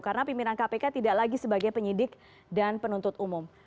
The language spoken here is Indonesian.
karena pimpinan kpk tidak lagi sebagai penyidik dan penuntut umum